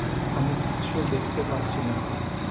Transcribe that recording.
আমি কিচ্ছু দেখতে পাচ্ছি না!